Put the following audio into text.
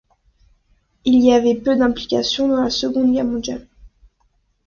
Il y avait peu d'implication dans la Seconde Guerre mondiale.